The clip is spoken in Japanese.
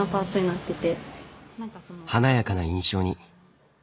華やかな印象に。